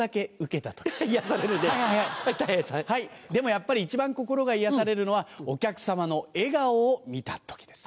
でもやっぱり一番心が癒やされるのはお客様の笑顔を見た時です。